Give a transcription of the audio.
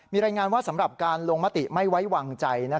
มีรายงานว่าสำหรับการลงมติไม่ไว้วางใจ